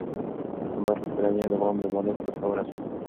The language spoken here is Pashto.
عمر په پوره مینه د غلام د مالک کور ته ورسېد.